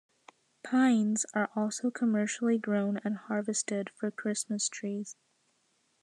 Pines are also commercially grown and harvested for Christmas trees.